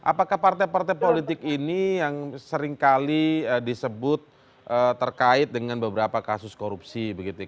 apakah partai partai politik ini yang seringkali disebut terkait dengan beberapa kasus korupsi